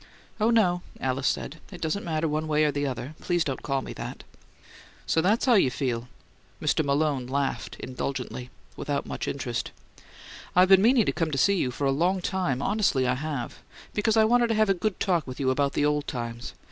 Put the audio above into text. "Oh, no," Alice said. "It doesn't matter one way or the other. Please don't call me that." "So that's how you feel?" Mr. Malone laughed indulgently, without much interest. "I've been meaning to come to see you for a long time honestly I have because I wanted to have a good talk with you about old times.